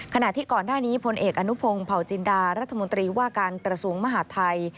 ขณะที่ก่อนหน้านี้พลเอกอนุพงศ์เผาจินดารัฐมนตรีว่าการกระทรวงมหาดไทย